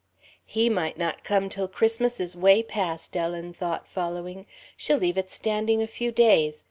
"He might not come till Christmas is 'way past," Ellen thought, following. "She'll leave it standing a few days.